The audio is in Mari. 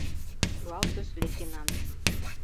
— шуралтыш лейтенант.